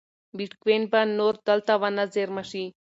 بېټکوین به نور دلته ونه زېرمه شي.